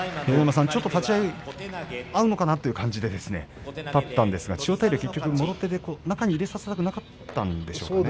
ちょっと立ち合い合うのかなという感じで立ったんですが千代大龍結局、もろ手で中に入れさせたくなかったんでしょうかね。